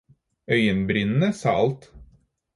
Øyenbrynene sa alt.